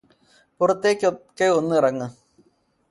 പുറത്തേക്ക് ഒക്കെ ഒന്നിറങ്ങ്